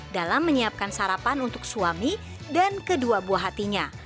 dalam menyiapkan sarapan untuk suami dan kedua buah hatinya